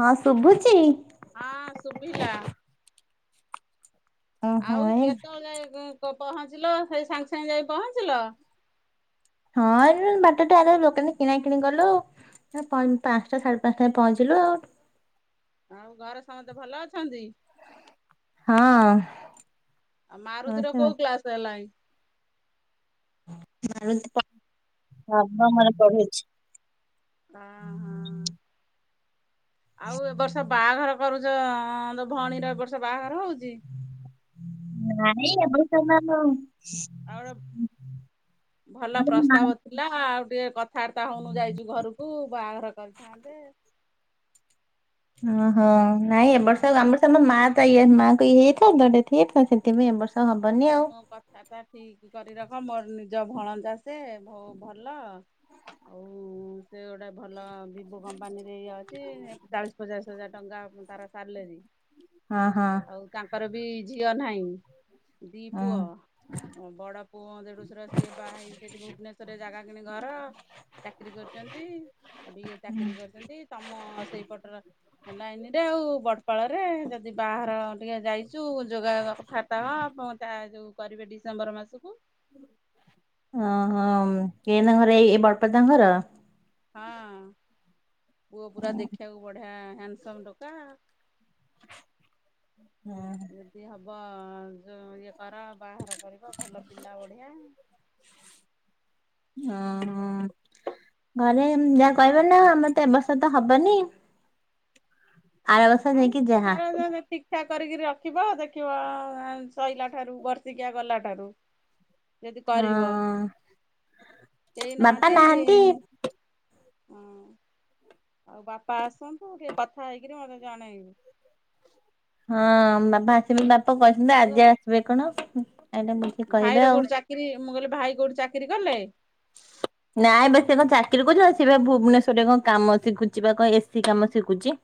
ହଁ ଶୁଭୁଛି ହଁ ଶୁଭିଲା। ଓହୋ ଆଉ ଏ କେତେବେଳେ ଯାଇ ପହଞ୍ଚିଲ ସେଇ ସାଙ୍ଗେ ସାଙ୍ଗେ ଯାଇ ପହଞ୍ଚିଲ ହଁ ଏ ବାଟଟା ଆଗ ଦୋକାନରେ କିଣା କିଣି କଲୁ ପା ପାଞ୍ଚଟା ସାଢେ ପାଞ୍ଚ ଟା ରେ ପହଞ୍ଚିଲୁ ଆଉ ଆଉ ଘରେ ସମସ୍ତେ ଭଲ ଅଛନ୍ତି? ହଁ। ଆଉ ମାରୁତିର କୋଉ କ୍ଲାସ ହେଲାଇ? ମାରୁତି ନବମରେ ପଢ଼ୁଛି। ଅ ହଁ ଆଉ ଏ ବର୍ଷ ବାହାଘର କରୁଛ ତୋ ଭଉଣୀର ଏବର୍ଷ ବାହାଘର ହଉଛି? ନାଇଁ [unintelligible] ଆଉ ଗୋଟେ ଭଲ ପ୍ରସ୍ତାବ ଥିଲା, ଆଉ ଟିକେ କଥାବାର୍ତ୍ତା ହଉନୁ ଯାଇଛୁ ଘରକୁ ବାହାଘର କରିଥାନ୍ତେ [unintelligible] ଓହଁ ନାଇଁ ଏବ ବର୍ଷ ଆମ ବର୍ଷ ଆମ ମା ତ ଇଏ ମାଆଙ୍କୁ ଇଏ ହେଇଯାଇଥିଲା ଡେଥ୍ ହେଇଯାଇଥିଲା ସେଥିପାଇଁ ଏବର୍ଷ ହଁ ତ ମୁଁ କଥାଟା ଠିକ କରି ରଖ କଣ ମୋର ନିଜ ଭଣଜା ସେ ବହୁ ଭଲ ଆଉ ସେ ଗୋଟେ ଭଲ ଭିବୋ କମ୍ପାନୀରେ ଇଏ ଅଛି। ଚାଳିଶ ପଚାଶ ହଜାର ଟଙ୍କା ତାର ସାଲାରି। ହଁ- ହଁ। ବି ଝିଅ ନାହିଁ ଦି ହଁ। ପୁଅ ଓ ବଡ ପୁଅ ଦେଢଶୁର ସିଏ ବାହା ହେଇ, ସେଠି ଭୁବନେଶ୍ଵରରେ ଜାଗା କିଣି ଘର ଚାକିରୀ କରିଛନ୍ତି ସୋଉଟୁ ଚାକିରୀ କରିଛନ୍ତି, ତମ ସେଇପଟର ସେ ଲାଇନରେ ଆଉ ବଡ ପାଳରେ ଯଦି ବାହାର ଟିକେ ଯାଇଛୁ ଯୋଗାଯୋଗ କଥାବାର୍ତ୍ତା ହ ଯୋଉ କରିବେ ଡିସେମ୍ବର ମାସକୁ ଅ ହ [unintelligible] ଘର ଏଇ ବଡ଼ପାଳ ତାଙ୍କ ଘର। ହଁ ପୁଅ ପୁରା ଦେଖିବାକୁ ବଢ଼ିଆ ହ୍ୟାଣ୍ଡସମ ଟୋକା ହୁଁ। [unintelligible] ଯୋଉ ଇଏ କର ବାହାଘର କରିବ, ଭଲ ପିଲା ବଢିଆ ହଁ-ହଁ। ଘରେ ଯାହା କହିବ ନା ଆମର ଏ ବର୍ଷ ତ ହବନି ଆର ବର୍ଷ ହଁ ଯାଇକି ଯାହା ଘର ଠିକ କରିକି ରଖିବ ଦେଖିବ ସଇଲା ଠାରୁ ବର୍ଷିକିଆ ଗଲା ଠାରୁ ଯଦି କରିବ ହଁ କେହି ନାହାନ୍ତି ହଁ। ଆଉ ବାପା ଆସନ୍ତୁ ଟିକେ କଥା ହେଇକିରି ମତେ ଜଣେଇବୁ ହଁ ବାପା ଆସିବେ ବାପା କହିଛନ୍ତି ଆଉ ଆଜି ଆସିବେ କଣ ଏଇଟା ବୁଝିକି କହିବେ ଭାଇର ଆଉ। କୋଉଠି ଚାକିରି ମୁଁ କହିଲି ଭାଇ କୋଉଠି ଚାକିରି କଲେ। ନାଇଁ ବ ସେ କଣ ଚାକିରି କରୁଛି ସିଏ ବା ଭୁବନେଶ୍ଵରରେ କଣ କାମ ଶିଖୁଛି ବା କଣ ଏସିି କାମ ଶିଖୁଛି।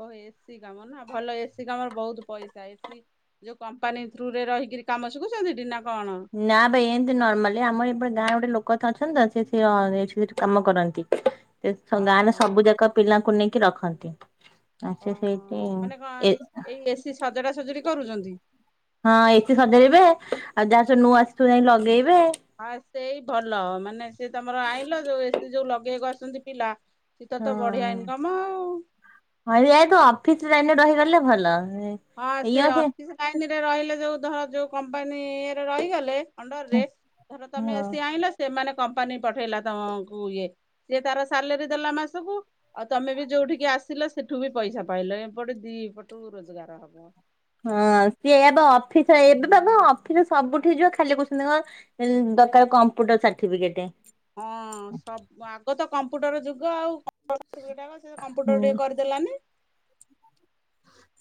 ହ [inaudible] ଓ ଏ ସି କାମ ନା ଭଲ ଏ ସି କାମରେ ବହୁତ ପଇସା ଏସି ଯୋଉ କମ୍ପାନୀ ଥଥ୍ରୁ ରେ ରହିି କି କାମ ଶିଖୁଛନ୍ତିଟି ନା କଣ? ନା ଭାଇ ଏମିତି ନର୍ମାଲି ଆମର ଏପଟେ ଗାଁ ଗୋଟେ ଲୋକ ତ ଅଛନ୍ତି ତ ନା ଏ ସି କାମ କରନ୍ତି। ଗାଁରେ ଓହୋ। ସବୁ ଯାକ ପିଲାଙ୍କୁ ନେଇକି ରଖନ୍ତି। ଆଉ ସେ ଓ ହୋ ସେଇଠି ମାନେ କଣ ଏ ଏଇ ଏ ସିି ସଜଡା ସଜଡି କରୁଛନ୍ତି। ହଁ ଏ ସିି ସଜେଇିବେ ଆଉ ଯାହା ସ ନୁଆ ଆସିଥିବ ଯାଇ ଲଗେଇବେ। ହଁ ସେଇ ଭଲ ମାନେ ସେ ତମର ଆଇଲ ଯୋଉ ଏ ସି ଯୋଉ ଲଗେଇବା କୁ ଆସୁଛନ୍ତି ପିଲା ଶୀତ ତ ବଢିଆ ହଁ ଇନକମ ଆଉ। ହ ଯାଇ ତୁ ଅଫିସରେ ଟାଇମରେ ରହିଗଲେ ଭଲ। ହଁ ସେ ଅଫିସ ଲାଇନରେ ରହିଲେ ଯୋଉ ଧର ଯୋଉ କମ୍ପାନୀ ଇରେ ରହିଗଲେ ଅଣ୍ଡର ହଁ ରେ ଧର ତମେ ସିଏ ଆଣିଲ ସେମାନେ କମ୍ପାନୀ ପଠେଇଲା ତମକୁ ଇଏ ସିଏ ତାର ସାଲେରୀ ଦେଲା ମାସକୁ ଆଉ ତମେ ବି ଯୋଉଠିକି ଆସିଲା ସେଠୁ ବି ପଇସା ପାଇଲ ଏପଟେ ଦି ଏପଟୁ ରୋଜଗାର ହବ। ହଁ ସିଏବ ଅଫିସ ଏବେ ବାବା ଅଫିସ ସବୁଠି ଯିବ ଖାଲି କହୁଛନ୍ତି କଣ ଦରକାର କମ୍ପ୍ୟୁଟର ସାର୍ଟିଫିକେଟ। ହଁ ସବୁ ଆଗ ତ କମ୍ପୁଟର ଯୁଗ ଆଉ। ସେଟାକ ସେ ହୁଁ କମ୍ପ୍ୟୁଟର ଟିକେ କରିଦେଲାନି।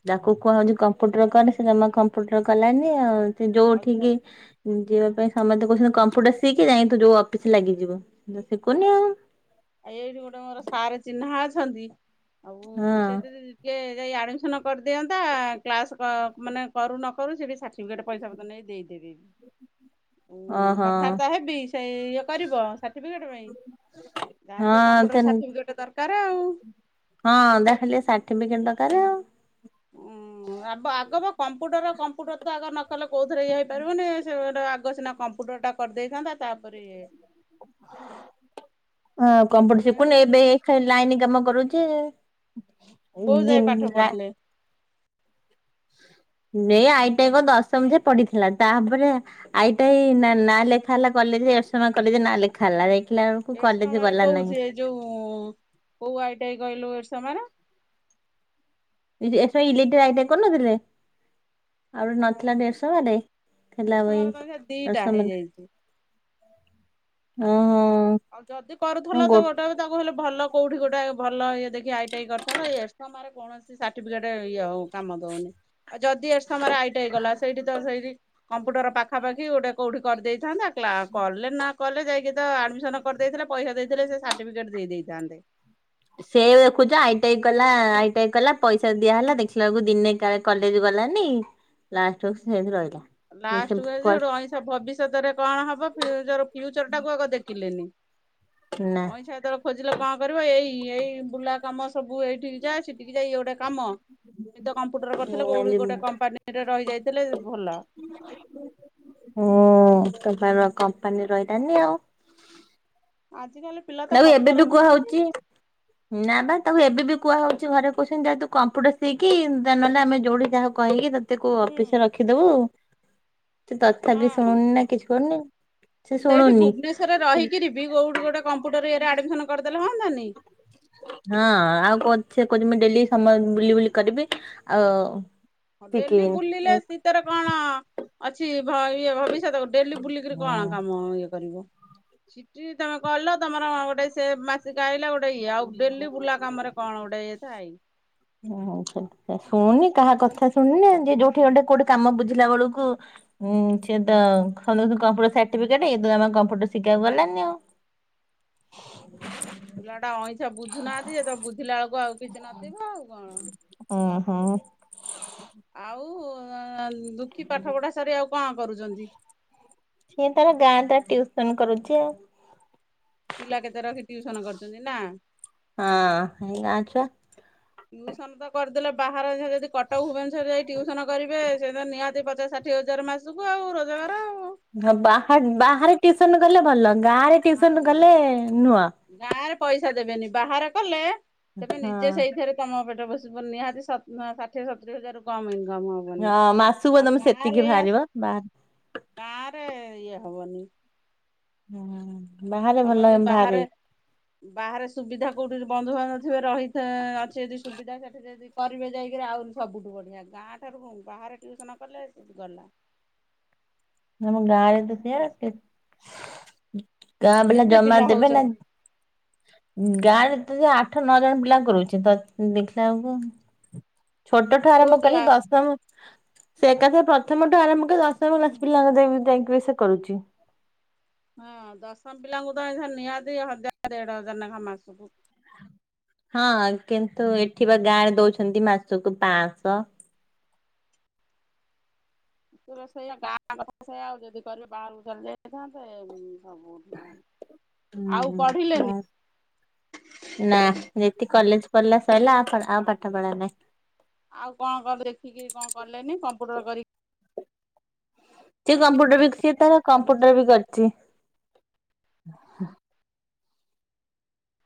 ତାକୁ କୁହା ହଉଛି କମ୍ପୁଟର କର ସେ ଜମା କମ୍ପୁଟର କଲାନି ଅଉ। ଆଉ ଯୋଉଠିକି ଯିବା ପାଇଁ ସମେତେ କହୁଛନ୍ତି କମ୍ପ୍ୟୁଟର ସିକି ଯାଇଁକି ତୁ ଯୋଉ ଅଫିସରେ ଲାଗିଯିବୁ ମୁ ଶିଖୁନି ଆଉ। ଏଇଠି ଗୋଟେ ମୋର ସାର ଚିହ୍ନା ଅଛନ୍ତି ଆଉ ହଁ ସେ ଯଦି ଟିକେ ଯାଇ ଆଡ଼ମିସନ୍ କରିଦିଅନ୍ତା କ୍ଲାସ୍ କ ମାନେ କରୁ ନ କରୁ ସେଇଠି ସାର୍ଟିଫିକେଟ୍ ପଇସା ପତର ନେଇ ଦେଇଦିଅ ସେ [inaudible] ଉଁ ଓହୋ କଥାବାର୍ତ୍ତା ହେବି ସେ ଇଏ କରିବ ସାର୍ଟିଫିକେଟ ପାଇଁ। ହଁ ତାର ତ କମ୍ପୁଟର ସାର୍ଟିଫିକେଟ ଦରକାର ଆଉ। ହଁ ତାର ଖାଲି ସାର୍ଟିଫିକେଟ ଦରକାର ଆଉ। ଉଁ। ହୁଁ ଆ ଆଗ ବା କମ୍ପୁଟର-କମ୍ପୁଟର ତ ଆଗ ନ କଲେ କୋଉଥିରେ ଇଏ ହେଇପାରିବନି ସେ ଆଗ ସିନା କମ୍ କମ୍ପୁଟର ଟା କରିଦେଇଥାନ୍ତା ତାପରେ ଇଏ ହ ଆଉ କମ୍ପୁଟର ସେ ଶିଖୁନି ଏବେ ଖାଲି ଲାଇନ୍ କାମ କରୁଛି। କୋଉ ଯାଏ ଦିନ ପାଠ ନା ପଢିଲେ ଏ ଆଇଟାଙ୍କ ଦଶମ ଯାଇଁ ପଢିଥିଲା ତାପରେ ଆଇଟାଇ ନାଁ ଲେଖା ହେଲା କଲେ ଏରସମା କଲେଜରେ ନା ଲେଖା ହେଲା ଯାଇକି ଏରସମାରେ କହୁ ସିଏ ଯୋଉ କୋଉ ଆଇଟାଇ କହିଲୁ ଏର ସମାରେ ଏ ଯୋଉ S I electric I T I କରନଥିଲେ। ଆଉ ଗୋଟେ ନଥିଲା ଏରସମାରେ ଥିଲା ବଇ ଏରସମାର ତ ଦିଟା ଦଶମ ହେଇଯାଇଛି। ଓଃ! ଆଉ ଯଦି କରୁଥିଲ ତ ଗୋଟେ ବି ତାକୁ ହେଲେ ଭଲ କୋଉଠି ଗୋଟାଏ ଭଲ ଇଏ ଦେଖି ଆଇ ଟି ଆଇ କରିଥାନ୍ତ, ଏ ସମୟରେ କୌଣସି ସାର୍ଟିଫିକେଟ ଇଏ ହୋ କାମ ଦଉନି। ଆଉ ଯଦି ଏ ସମୟରେ ଆଇ ଟି ଆଇ କଲା, ସେଇଠି ତ ସେଇଠି କମ୍ପ୍ୟୁଟର ପାଖାପାଖି ଗୋଟେ କୋଉଠି କରିଦେଇ ଥାନ୍ତା, କ୍ଲାସ୍ କଲେ ନା କଲେ ଯାଇକି ତ ଆଡମିସନ କରିଦେଇଥିଲେ ପଇସା ଦେଇଥିଲେ ସେ ସାର୍ଟିଫିକେଟ ଦେଇ ଦେଇ ଥାନ୍ତେ। ସେ ଦେଖୁଛ ଆଇ ଟି ଆଇ କଲା ଆଇ ଟି ଆଇ କଲା ପଇସା ଦିଆ ହେଲା ଦେଖିଲା ବେଳକୁ ଦିନେକାଳେ କଲେଜ ଗ ଗଲାନି, ଲାଷ୍ଟକୁ ସେମତି ରହିଲା। ନା ଲାଷ୍ଟ କୁ ରହିଛି, ସେଠୁ ଅଇଂସା ଭବିଷ୍ୟତରେ କଣ ହବ ଫିଉଚର ଫିଉଚର ଟା କୁ ଆଗ ଦେଖିଲେନି, ଅଇଁସା ହେତେବେଳ ଖୋଜିଲେ କ'ଣ କରିବ, ଏଇ ଏଇ ବୁଲା କାମ ସବୁ ଏଇଠିକ ଯା ସେଠିକି ଯାଇ ଇଏ ଗୋଟେ କାମ। ଏ ତ କମ୍ପ୍ୟୁଟର କରିଥିଲେ କୋଉଁଠି ଗୋଟେ କମ୍ପାନୀରେ ରହିଯାଇଥିଲେ ଭଲ। ହୁଁ, ତମ ପାଇଁ ର କମ୍ପାନୀ ରହିିଲାନି ଆଉ। ଆଜିକାଲି ପିଲା ତ ତାକୁ କଥାରେ ଏବେଠୁ କୁହା ହଉଛି, ନାହାନ୍ତି ନା ବା ତାକୁ ଏବେ ବି କୁହା ହଉଛି ଘରେ କହୁଛନ୍ତି ଯାଆ ତୁ କମ୍ପୁଟର ସିଖି ଯା ନଲେ ଆମେ ଯଉଡି ଯହାକୁ କହିକି ତ ତାକୁ ହୁଁ ଅଫିସରେ ରଖିଦବୁ। ସେ ତଥାପି ହଁ। ଶୁଣୁନି ନା କିଛି କରୁନି। ସେ ସେଇଠି ଶୁଣୁନି ଭୁବନେଶ୍ଵରେ ରହିକିରି ବି କୋଉଠି ଗୋଟେ କମ୍ପୁଟର ଇଏରେ ଆଡ଼ମିଶନ କରିଦେଲେ ହଅନ୍ତାନି। ହଁ ଆଉ କ ସେ କହୁଚି ମୁ ଡେଲି ସମୟ ବୁଲି ବୁଲି କରିବି ଆଉ ହଁ, ଡେଲି ଶିଖିବିନି। ବୁଲିଲେ ସେଥିରେ କଣ ଅଛି ଭ ଇଏ ଭବି ଷ୍ୟତ, ଡେଲି ବୁଲିକିରି କଣ କାମ ଇଏ କରିବ? ସେଠି ତମେ କହିଲ ତମର ଗୋଟେ ସେ ମାସେ ଗାଇଲା ଗୋଟେ ଇଏ ଆଉ, ଡେଲି ବୁଲା କାମ ରେ କଣ ଗୋଟେ ଇଏ ଥାଏ। ହୁଁ ଶୁଣୁନି କାହା କଥା ଶୁଣିନି, ଯେ ଯୋଉଁଠି ଗଟେ କୋଉଠି କାମ ବୁଝିଲା ବେଳକୁ ଉଁ ସିଏ ତା ଖୋଲୁନୁ କମ୍ପ୍ୟୁଟର ସାର୍ଟିଫିକଟ ଇଏ ତ ଜମା କମ୍ପ୍ୟୁଟର ସିଖି ବାକୁ ଗଲାନି ଆଉ। ପିଲା ଟା ଅଇଁ ଛ ବୁଝୁନାହାନ୍ତି ଯେ ତ ବୁଝିଲା ବେଳକୁ ଆଉ କିଛି ନଥିବ ଆଉ କଣ। ଉଁ ହୁଁ ଆଉ ଅଁ ଦୁଃଖୀ ପାଠ ପଢା ସାରି ଆଉ କ'ଣ କରୁଛନ୍ତି। ସିଏ ତାର ଗାଁ ଟା ଟିଉସନ କରୁଛି ଆଉ। ପିଲା କେତେ ରଖି ଟିଉସନ କରୁଛନ୍ତି ନା। ହଁ ଏଇ ଗାଁ ଛୁଆ। ଟ୍ୟୁସନ ତ କରିଦେଲେ ବାହାର ଯଦି କଟକ ଭୁବନେଶ୍ୱର ଯାଇ ଟଟିୁସନ କରିବେ ସେ ତ ନିହାତି ପଚାଶ ଷାଠିଏ ହଜାର ମାସକୁ ଆଉ ରୋଜଗାର ହଁ ବାହା ଆଉ। ବାହାରେ ଟିଉସନ ଗଲେ ଭଲ। ଗାଁରେ ଟିଉସନ ଆଉ ଗଲେ ନୁହଁ। ଗାଁରେ ପଇସା ଦେବେନି ବାହାରେ କଲେ ତମେ ହଁ ନିଜେ ସେଇଥିରେ ତମ ପେଟ ପୋଷିବ ନିହାତି ସତ୍ ଷାଠିଏ ସତୁରି ହଜାରରୁ କମ ଇନ ହଁ ମାସକୁ ତମେ ସେତିକି ଏଇଆ ବାହାରିବ ବାହାର ଦିଆ ହବନି। ହୁଁ, ବାହାରେ ତମର ଭଲ ଯଦି ଅନ୍ଧାର। ବାହାରେ ବାହାରେ ସୁବିଧା କୋଉଠି ବନ୍ଧୁ ବାନ୍ଧବ ଥିବେ ରହିଥେବେ ଅଛି ଯଦି ସୁବିଧା ସେଠି ଯଦି କରିବେ ଯାଇକିରି ଆହୁରି ସବୁଠୁ ବଢିଆ ଗାଁ ଠାରୁ ବାହାରେ ଟିଉସନ କଲେ ଗଲା। [unintelligible] ତମ ପଇସା। ଗାଁରେ ଗାଁ ବାଲା କେତେ ଜମା ପିଲା ଦେବେ ନା ହଉଛନ୍ତି ଗାଁରେ? ଯା ଆଠ ନଅ ଜଣ ପିଲାଙ୍କୁ କରୁଛି ତ ଦେଖିଲା ବେଳକୁ ଛୋଟଠୁ କୋଉ ଆରମ୍ଭ କରି କ୍ଲା ଦଶମ ସେ ଏକାଥରେ ପ୍ରଥମ ଠୁ ଆରମ୍ଭ କରି ଦଶମ କ୍ଲାସ ପିଲାଙ୍କ ଦେଇ ଦେଇଁକିରି ସେ କରୁଛି। ହଁ ଦଶମ ପିଲାଙ୍କୁ ତ ଏଇଖା ନିହାତି ହଜାର ଦେଢ ହଜାର ନେଖା ମାସକୁୁ। ହଁ କିନ୍ତୁ ଏଠି ବା ଗାଁରେ ଦଉଛନ୍ତି ମାସକୁ ପାଁଶହ। [inaudible] ହଁ ସେଇଆ ଗାଁ କଥା ତ ସେଇୟା ଆଉ ଯଦି କରିବେ ବାହାରକୁ ଚାଲି ଯାଇଥାନ୍ତେ। ହଁ ଗୁଡ୍‌ ଗୁଡ୍‌ ହୁଁ ଆଉ ହୁଁ ପଢିଲେନି? ବାସ୍ ନା ଯେତି କଲେଜ ପଢିଲା ସଇଲା ଆ ଆଉ ପାଠ ପଢା ନାହିଁ। ଆଉ କଣ କର ଦେଖିକି କଣ କଲେନି କମ୍ପ୍ୟୁଟର କରିକି? ସେ କମ୍ପୁଟର ବି ସିଏ ତାର କରିକି କମ୍ପୁଟର ବି କରିଛି?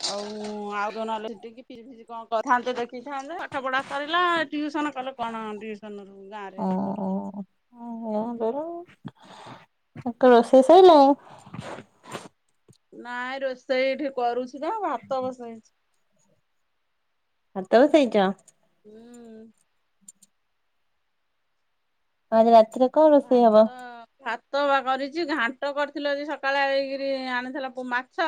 ହଉ ଆଉ କଣ ନ ହେଲେ ସିଟି କି ପିଜି ଫିଜି କଣ କରିଥାନ୍ତେ ଦେଖିକି। କରିଥାନ୍ତେ ପାଠ ପଢା ସାରିଲା, ଟିଉସନ କଲେ କଣ କଉସନ ରୁ ଗାଁ ରେ ହବ। [inaudible] ସକାଳ ରୋଷେଇ ସଇଲାଣି? ନାଇଁ ରୋଷେଇ ଏଠି କରୁଛି ବା ଭାତ ବସେଇଛି। ଭାତ ବସେଇଚ? ହୁଁ। ଆଜି ରାତିରେ କଣ ରୋଷେଇ ହବ? ଭାତ ଭାତ ବା କରିଛି ଘାଣ୍ଟ କରିଥିଲୁ ଆଜି ସକାଳେ ଏଇକରି ଆଣିଥିଲା ମାଛ।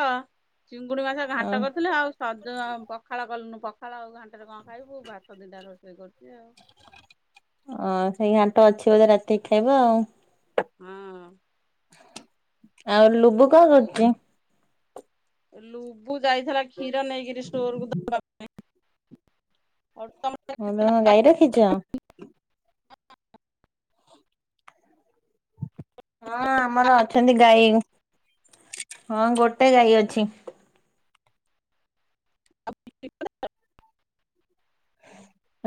ଚିଙ୍ଗୁଡି ମାଛ ଘାଣ୍ଟ ଅଁ କରିଥିଲେ ଆଉ ସଜ ପଖାଳ କଲୁନୁ। ପଖାଳ ଆଉ ଘାଣ୍ଟରେ କଣ ଖାଇବୁ ଭାତ ଦି ଟା ରୋଷେଇ କରୁ ଅଁ ସେଇ ଘାଣ୍ଟ ଅଛି ବୋଧେ ରାତିକି ଖାଇବ ଆଉ? ହଁ। ଆଉ ଲୁବୁ କଣ ମୁ କରୁଚି? ଲୁବୁ ଯାଇଥିଲା କ୍ଷୀର ନେଇକିରି ଷ୍ଟୋରକୁ ଦବା ପାଇଁ। ହଁ ବା ତୁମେ ଗାଈ ରଖିଚ? ହଁ, ଆମର ଅଛନ୍ତି ଗାଈ। ହଁ, ଗୋଟେ ଗାଈ ଅଛି। [unintelligible]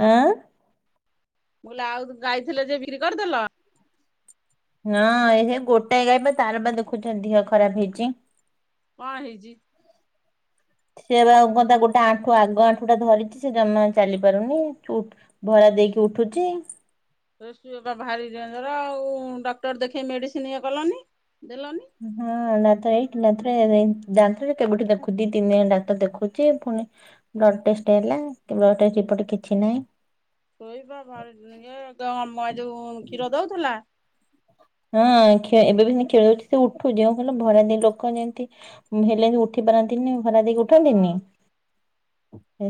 ଆଁ! ମୁଁ କହିଲି ଆଉ ଗାଇଥିଲେ ଯେ ବିକ୍ରି କରିଦେଲ। ନା, ଏହେ ଗୋଟାଏ ଗାଇ ଯେ ତାର ବା ଦେଖୁଛ ଦେହ ଖରାପ ହେଇଛି। କ'ଣ ହୋଇଛି? ସିଏ ବା ଆଉ କ'ଣ ତା ଗୋଟା ଆଣ୍ଠୁ ଆଗ ଆଣ୍ଠୁ ଟା ଧରିଛି ସେ ଜମା ଚାଲି ପାରୁନି। ଛୁଟ ଭରା ଦେଇକି ଉଠୁଛି। ସେ ଶୋଇବା ପାଇଁ ଭାରି ଣ୍ଡେନଞ୍ଜର ଆଉ ଡକ୍ଟର ଦେଖେଇ ମେଡିସିନ ଇଏ କଲନି। ଦେଲ ହଁ, ନାଥ ଏଇ [inaudible] କେବେଠି ଦେଖୁ ଦି ତିନି ଜଣ ଡାକ୍ତର ଦେଖୋଛିୁ। ଆଉ ପୁ ଣି ବ୍ଲଡ୍ ଟେଷ୍ଟ ହେଲା। କି ବ୍ଲଡ୍ ଟେଷ୍ଟ ରିପୋର୍ଟରେ କିଛି ନାହିଁ। ଶୋଇବା ଭାରି ଇଏ [inaudible] କ୍ଷୀର ଦଉଥିଲା। ହଁ, କ୍ଷ ଏବେ ବି ସେମିତି କ୍ଷୀର ଦଉଛି। ସେ ଉଠୁଛି ଯେଉଁ ହେଲେ ଭରାନ୍ତି ଲୋକ ଯେମିତି ହେଲେ ଉଠି ବନାନ୍ତିନି ଭରା ଦେଇକି ଉଠନ୍ତିନି କଣ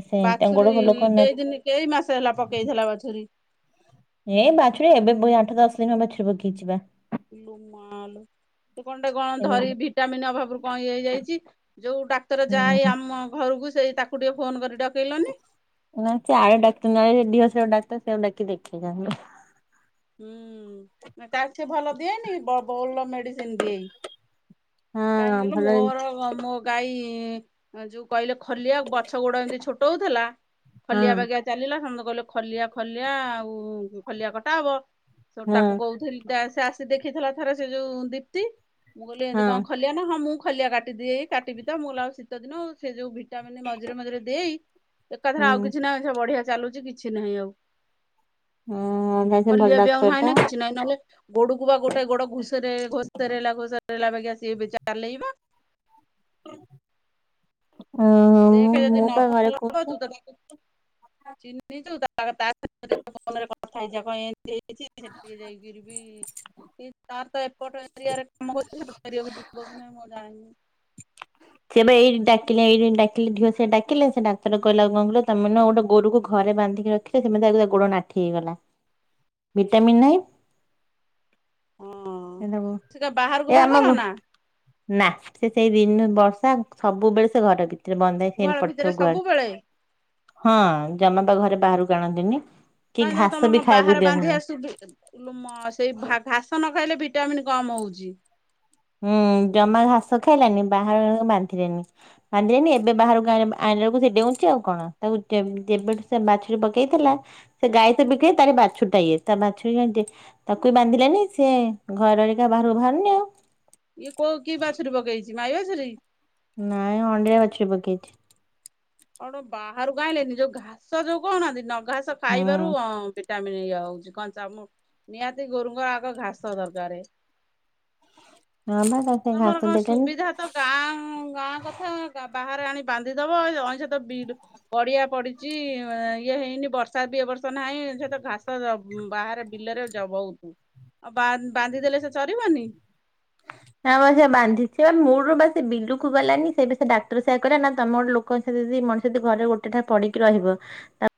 ସେ ତାଙ୍କ ଗୋଡ ବାଛୁରୀ ଫୋଡ ଲୋକ କେଇ ଦିନ କେଇ ମାସ ହେଲା ପକେଇଥିଲା ବାଛୁରୀ? ଏଇ ବାଛୁରୀ ଏବେ ବି ଆଠ ଦଶ ଦିନ ବାଛୁରୀ ପକେଇଚି ପା। ଇଲୋ ମା ଲୋ। ସେ କଣ ଟା କଣ ଏବେ ଧରି ଭିଟାମିନ ଅଭାବରୁ କଣ ଇଏ ହେଇଯାଇଛି ଯୋଉ ଡାକ୍ତର ଯାଏ ହୁଁ ଆମ ଘରକୁ ସେଇ ତାକୁ ଟିକେ ଫୋନ କରି ଡ ନା ସେ ଆର ଡାକ୍ତର ନାଇ [unintelligible] ଡାକ୍ତର ସେଇଆକୁ ଡ଼ାକି ଦେଖେଇ ଦିଅ। ହୁଁ ତାର ସେ ଭଲ ଦିଏନି ବ ଭଲ ମେଡିସିନ ଦିଏ। ହଁ କାହିଁକି କହିଲୁ ଭଲ ଜିନି ମୋର ଅ ମୋ ଗାଈ ଏଁ ଯୋଉ କହିଲେ ଖଲିଆ ପଛ ଗୋଡ ଏମିତି ଛୋଟଉଥିଲା। ହଁ ଖଲିଆ ବାଗିଆ ଚାଲିଲା ସମସ୍ତେ କହିଲେ ଖଲିଆ ଖଲିଆ ଆଉ ଖଲିଆ କଟା ହବ। ସେଉଠୁ ହଁ ତାକୁ କହୁଥିଲି ଦେ ସେ ଆସି ଦେଖିଥିଲା ଥରେ ସେ ଯୋଉ ଦୀପ୍ତି। ମୁଁ କହିଲି ହଁ ଏମିତି କଣ ଖଲିଆ ନା ହଁ ମୁଁ ଖଲିଆ କାଟିଦିଏ କାଟିବି ତ ମୁଁ ଲ ଆଉ ଶୀତ ଦିନ ସେ ଯୋଉ ଭିଟାମିନ ମଝିରେ ମଝିରେ ଦେଇ। ଏକାଥରେ ହୁଁ ଆଉ କିଛି ନାହିଁ ସେ ବଢିଆ ଚାଲୁଛି କିଛି ନାହିଁ ଆଉ। ହଁ ବା ପୋଲିଓ ବି ଆଉ ନାହିଁ ନା କିଛି ନାହିଁ ନହେଲେ। ଗୋଡକୁ ବା ଗୋଟେ ଗୋଡ ଘୁଷାରି ଘୋଷାରେଲା ଘୋଷାରେଲା ବାଗିଆ ସିଏ ବି ଚାଲେଇ ପା। ଅ ମୁଁ ଦେଖେ ଯଦି ମୁଁ ନ ବା ଘରେ ଭଲ କହୁଛି ପାଉଚୁ ତ ତାକୁ ଚିହ୍ନିଚୁ ତା ଆଗ ତା [inaudible] ଫୋନରେ କଥା ହେଇ ଯା କ ଏମିତି ହେଇଚି ସେଠି ଯାଇକିରିବି ଇ ତାର ତ ଏପଟ ଏରିଆରେ କାମ କରୁଚି ସେପଟ ଏରିଆକୁ ଯିବ କି ନାଇ ମୁଁ ଆଉ ଜାଣିନି। ସିଏ ପା ଏଇ ଡାକିଲେ ଏଇଠି ଡାକିଲେ ଢିଅ ସେ ଡାକିଲେ ସେ ଡାକ୍ତର କହିଲା ଙ୍କ କହିଲ ତମେ ନୁହ ଗୋଟେ ଗୋରୁ କୁ ଘରେ ବାନ୍ଧିକି ରଖିଲେ ସେମିତି ତାକୁ ତା ଗୋଡ ନାଠି ହେଇଗଲା। ଭିଟାମିନ ନାହିଁ। ହଁ ଏ ଦେବୁ ସେଟା ବାହାରକୁ ଏ ବାହାଘର ଆମକୁ। ନା ନା ସେ ସେଇ ଦିନ ବର୍ଷା ସବୁବେଳେ ସେ ଘର ଭିତ ରେ ବନ୍ଦ ହେଇ ସେମିତି ଗୁହାଳ ପଡିଥିବ ଭିତରେ ଗୁହାଳ ସବୁବେଳେ ହଁ ଜମା ବା ଘରେ ବାହାରକୁ ଆଣନ୍ତିନି। କି କାହିଁ ତ ଘାସ ତମର ବି କଣ ଖାଇବାକୁ ବାହାରେ ଦିଅନ୍ତିନି ବାନ୍ଧିବା ସୁବି ଇଲୋ ମା ସେଇ ଭା ଘାସ ନ ନ ଖାଇଲେ ଭିଟାମିିନ କମ ହଉଛି। ହୁଁ ଜମା ଘାସ ଖାଇଲାନି ବାହାର ବାନ୍ଧିଲେନି ବାନ୍ଧିଲେନି ଏବେ ବାହାରକୁ ଆଇଁଲେ ଆ କୁ ସେ ଡେଉଁଛି ଆଉ କଣ ତାକୁ ଯେ-ଯେବେଠୁ ସେ ବାଛୁରୀ ପକେଇଥିଲା ସେ ଗାଈ ସେ ବିକି ତାର ବା ଛୁରୀଟା ଇଏ ତା ବାଛୁରୀ ସେମିତି ତାକୁ ବି ବାନ୍ଧିଲେନି ସେ ଘରେ ରହି ରହିକା ବାହାରକୁ ବାହାରୁନି ଆଉ। ଇଏ କୋଉ କି ବାଛୁରୀ ପକେଇଛି ମାଇ ବାଛୁରୀ? ନାଇଁ ଅଣ୍ଡିରା ବାଛୁରୀ ପକେଇଛି। କଣ ବାହାରୁକୁ ଆଇଁଲେନି ଯୋଉ ଘାସ ଯୋଉ କହୁନାହାନ୍ତି ନ ଘାସ ହୁଁ ଖାଇବାରୁ ଅଁ ଭିଟାମି ଇଏ ହଉଛି କଞ୍ଚା ମୁଁ ନିହାତି ଗୋରୁଙ୍କୁ ଆଗ ଘାସ ଦରକାରେ। ହଁ ବା ତାକୁ ସେ ତମର ଘାସ କଣ ଦେଲେନି। ସୁବିଧା ତ ଗାଁ ଗାଁ କଥା ଗା ବାହାରେ ଆଣି ବାନ୍ଧିଦବ ଅଇଲ ଅଇଁଷ ତ ବିଲ ପଡିଆ ପଡିଚି ଅଁ ଇଏ ହେଇନି ବର୍ଷା ବି ଏ ବ ବର୍ଷ ନାହିଁ ସେ ତ ଘାସ ତ ଉଁ ବାହାରେ ବିଲରେ ଜ ବହୁତୁ। ଆଉ ବା-ବାନ୍ଧିଦେଲେ ସେ ଚରିବନି। ନା ବା ସେ ବାନ୍ଧିଛି ବା ମୂଳ ରୁ ବା ସେ ବିଲୁକୁ ଗଲାନି ସେ ସେଇଠୁ ଡାକ୍ତର ସେଆ କହିଲା ନା ତମର ଲୋକଙ୍କ ସହିତ ଯଦି ମଣିଷ ଯଦି ଘରେ ଗୋଟେ ଠା ପଡିକି ରହିବ ତା